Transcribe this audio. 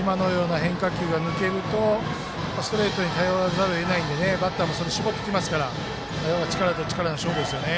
今のような変化球が抜けるとストレートに頼らざるをえないのでバッターも、絞ってきますから力と力の勝負ですよね。